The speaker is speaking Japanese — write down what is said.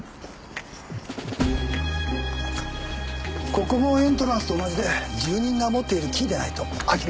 ここもエントランスと同じで住人が持っているキーでないと開きません。